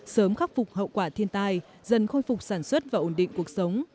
sớm khắc phục hậu quả thiên tai dần khôi phục sản xuất và ổn định cuộc sống